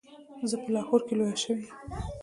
زه په لاهور کې لویه شوې یم.